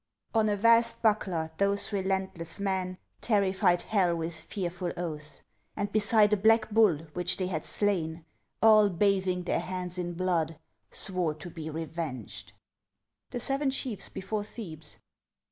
On a vast buckler those relentless men Terrified hell with fearful oaths ; And beside a black bull which they had slain, All, bathing their hands in blood, swore to be revenged. TJie Seven Chiefs before Thebes.